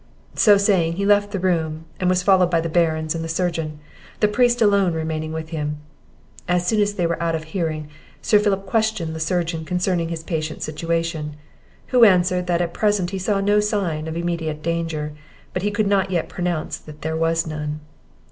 So saying, he left the room, and was followed by the Barons and the surgeon; the priest alone remaining with him. As soon as they were out of hearing, Sir Philip questioned the surgeon concerning his patient's situation; who answered, that at present he saw no signs of immediate danger, but he could not yet pronounce that there was none.